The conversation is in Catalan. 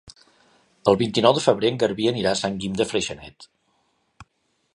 El vint-i-nou de febrer en Garbí anirà a Sant Guim de Freixenet.